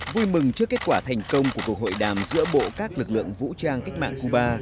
vui mừng trước kết quả thành công của cuộc hội đàm giữa bộ các lực lượng vũ trang cách mạng cuba